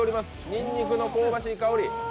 にんにくの香ばしい香り。